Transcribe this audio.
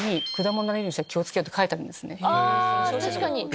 あ確かに！